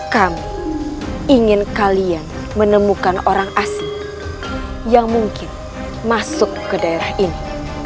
kami ingin kalian menemukan orang asing yang mungkin masuk ke daerah ini